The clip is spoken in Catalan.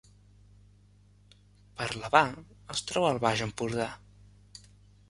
Parlavà es troba al Baix Empordà